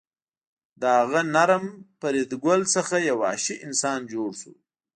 له هغه نرم فریدګل څخه یو وحشي انسان جوړ شو